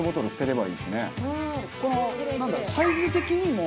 このなんだろう